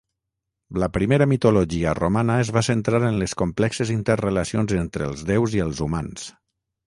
La primera mitologia romana es va centrar en les complexes interrelacions entre els déus i els humans.